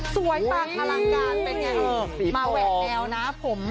สวยปากพลังกาลเป็นไงมาแหวนแหลลนะผม